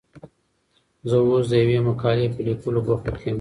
زه اوس د یوې مقالې په لیکلو بوخت یم.